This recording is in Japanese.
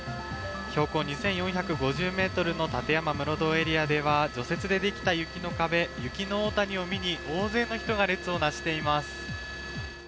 標高２４５０ｍの立山室堂エリアでは除雪でできた雪の壁＝雪の大谷を見に、大勢の人が列をなしています。